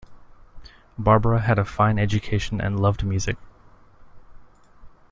Barbara had a fine education and loved music.